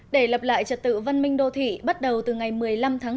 để lập lại trật tự văn minh đô thị bắt đầu từ ngày một mươi năm tháng bốn